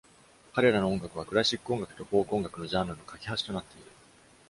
彼らの音楽はクラシック音楽とフォーク音楽のジャンルの架け橋となっている。